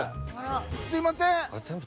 すいません。